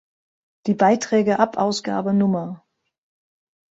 Die Beiträge ab Ausgabe Nr.